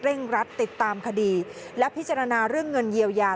รัดติดตามคดีและพิจารณาเรื่องเงินเยียวยา